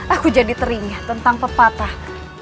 aku jadi teringat tentang pepatah